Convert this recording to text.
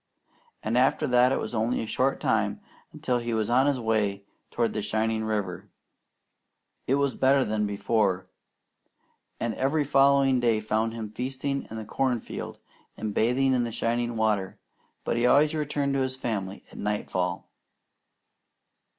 and after that it was only a short time until he was on his way toward the shining river. It was better than before, and every following day found him feasting in the corn field and bathing in the shining water; but he always returned to his family at nightfall.